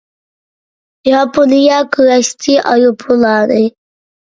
ياپونىيە كۈرەشچى ئايروپىلانى